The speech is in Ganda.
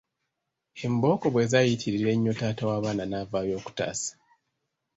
Embooko bwe zaayitirira ennyo taata w’abaana n’avaayo okutaasa.